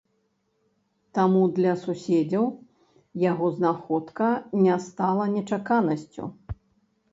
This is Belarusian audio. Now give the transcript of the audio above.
Таму для суседзяў яго знаходка не стала нечаканасцю.